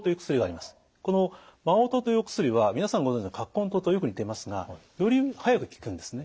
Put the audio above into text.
この麻黄湯というお薬は皆さんご存じの葛根湯とよく似ていますがより早く効くんですね。